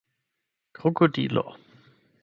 krokodilo